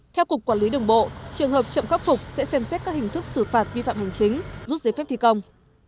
theo cục quản lý đường bộ trường hợp chậm khắc phục sẽ xem xét các hình thức xử phạt vi phạm hành chính rút giấy phép thi công